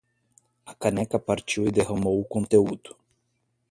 A caneca partiu e derramou o conteúdo.